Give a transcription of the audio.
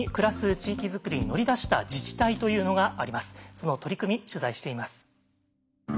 その取り組み取材しています。